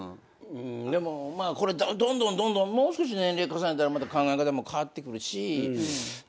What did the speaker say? でもこれどんどんどんどんもう少し年齢重ねたらまた考え方も変わってくるし。